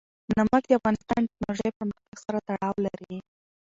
نمک د افغانستان د تکنالوژۍ پرمختګ سره تړاو لري.